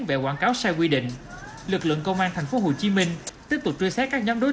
về quảng cáo sai quy định lực lượng công an thành phố hồ chí minh tiếp tục truy xét các nhóm đối